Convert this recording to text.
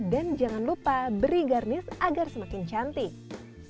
dan jangan lupa beri garnish agar semakin cantik